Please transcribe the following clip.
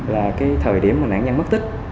là cái thời điểm mà nạn nhân mất tích